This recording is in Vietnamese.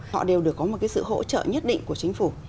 họ đều được có một cái sự hỗ trợ nhất định của chính phủ